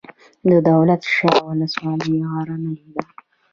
د دولت شاه ولسوالۍ غرنۍ ده